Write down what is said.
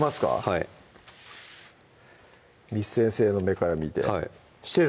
はい簾先生の目から見てはいしてる？